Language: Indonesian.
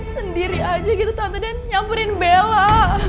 sendiri aja gitu tau dan nyamperin bella